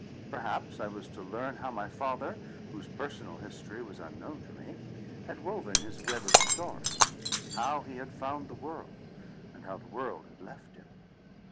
Perhaps I was to learn how my father, whose personal history was unknown to me, had woven his web of story; how he had found the world, and how the world had left him.